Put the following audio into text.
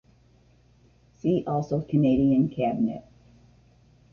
See also Canadian Cabinet.